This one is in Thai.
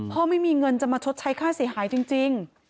ไม่มีเงินจะมาชดใช้ค่าเสียหายจริง